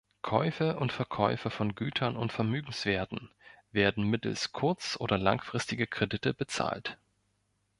Käufe und Verkäufe von Gütern und Vermögenswerten werden mittels kurz- oder langfristiger Kredite „bezahlt“.